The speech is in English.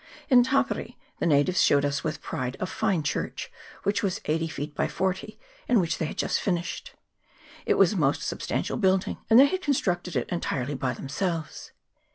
In Tapiri the natives showed us with pride a fine church, which was eighty feet by forty, and which they had just finished. It was a most sub stantial building, and they had constructed it en tirely by themselves.